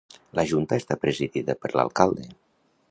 La junta està presidida per l'alcalde.